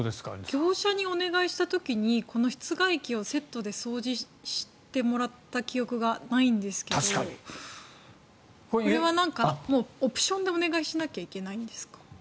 業者にお願いした時に室外機をセットで掃除してもらった記憶がないんですけどこれは何かオプションでお願いしなきゃいけないんですか？